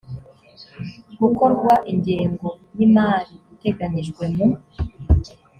gukorwa ingengo y imali iteganyijwe mu